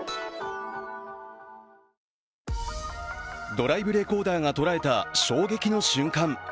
ドライブレコーダーが捉えた衝撃の瞬間。